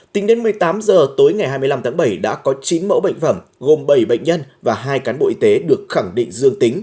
tính đến một mươi tám h tối ngày hai mươi năm tháng bảy đã có chín mẫu bệnh phẩm gồm bảy bệnh nhân và hai cán bộ y tế được khẳng định dương tính